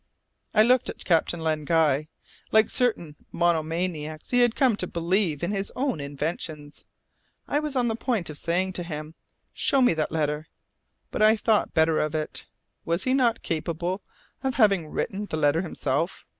I looked at Captain Len Guy. Like certain monomaniacs he had come to believe in his own inventions. I was on the point of saying to him, "Show me that letter," but I thought better of it. Was he not capable of having written the letter himself?